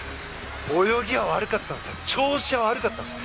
泳ぎは悪かったんです調子は悪かったんです。